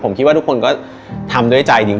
ผมคิดว่าทุกคนก็ทำด้วยใจดี